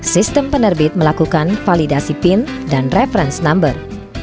sistem penerbit melakukan validasi pin dan reference number